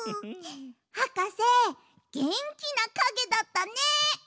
はかせげんきなかげだったね！